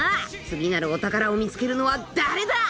次なるお宝を見つけるのは誰だ⁉］